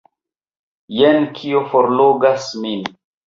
Jen kio forlogas min!